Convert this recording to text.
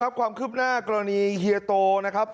ความคืบหน้ากรณีเฮียโตนะครับ